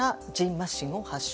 ましんを発症。